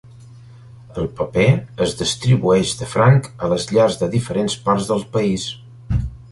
El paper es distribueix de franc a les llars de diferents parts del país.